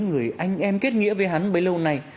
người anh em kết nghĩa với hắn bấy lâu nay